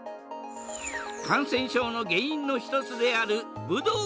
感染症の原因の一つであるブドウ